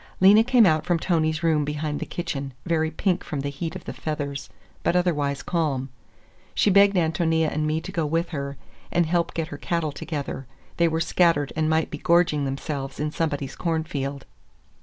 Lena came out from Tony's room behind the kitchen, very pink from the heat of the feathers, but otherwise calm. She begged Ántonia and me to go with her, and help get her cattle together; they were scattered and might be gorging themselves in somebody's cornfield.